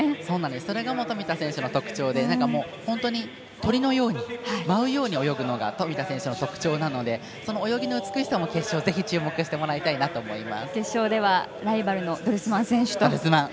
それが富田選手の特徴で本当に鳥のように舞うように泳ぐのが、富田選手の特徴なので、その泳ぎの美しさも決勝でぜひ注目してもらいたいなと思います。